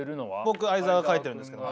僕相澤書いてるんですけど。